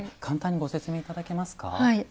簡単にご説明いただけますか？